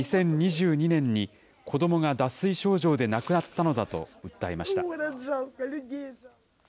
２０２２年に子どもが脱水症状で亡くなったのだと訴えました。